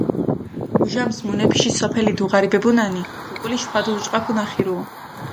მუჟამს მუნეფიში სოფელი დუღარიბებუნანი, უკული შხვადო დუჭყაფუნა ხირუა.